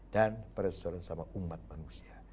dan persesuaian sama umat manusia